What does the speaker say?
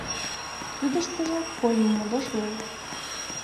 Кидыштыже кольмо модеш веле.